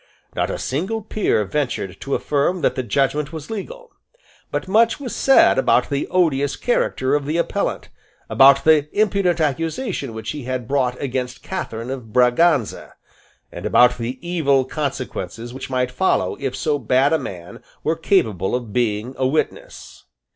Not a single peer ventured to affirm that the judgment was legal: but much was said about the odious character of the appellant, about the impudent accusation which he had brought against Catherine of Braganza, and about the evil consequences which might follow if so bad a man were capable of being a witness.